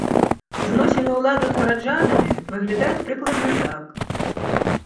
Зносіны ўладаў з гараджанамі выглядаюць прыкладна так.